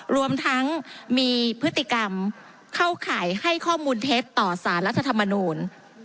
รวมทั้งมีพฤติกรรมเข้าข่ายให้ข้อมูลเท็จต่อสารรัฐธรรมนูล